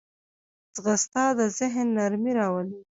ځغاسته د ذهن نرمي راولي